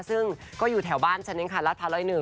ซึ่งก็อยู่แถวบ้านฉันเองค่ะรัฐพร้าว๑๐๑